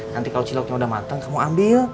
nanti kalau ciloknya udah matang kamu ambil